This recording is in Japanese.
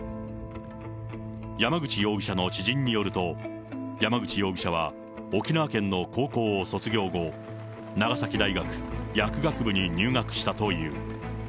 山口容疑者の知人によると、山口容疑者は沖縄県の高校を卒業後、長崎大学薬学部に入学したという。